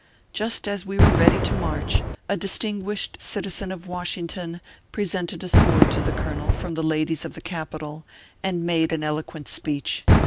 Just as we were ready to march, a distin guished citizen of Washington presented a sword to the colonel from the ladies of the Capital, and made an eloquent speech.